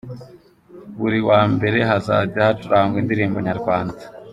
Buri wa mbere:Hazajya hacurangwa Indirimbo Nyarwanda.